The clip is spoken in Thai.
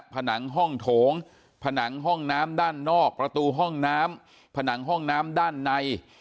ผนังห้องโถงผนังห้องน้ำด้านนอกประตูห้องน้ำผนังห้องน้ำด้านใน